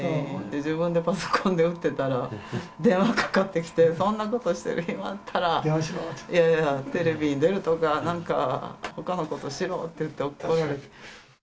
自分でパソコンで打ってたら、電話がかかってきて、そんなことしてる暇あったら、テレビに出るとか、なんかほかのことしろって言って怒られる。